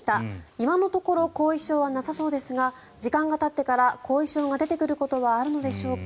今のところ後遺症はなさそうですが時間がたってから後遺症が出てくることはあるのでしょうか。